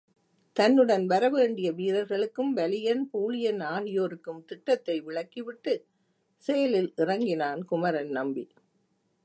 தன்னுடன் வரவேண்டிய வீரர்களுக்கும் வலியன், பூழியன் ஆகியோருக்கும் திட்டத்தை விளக்கிவிட்டுச் செயலில் இறங்கினான் குமரன் நம்பி.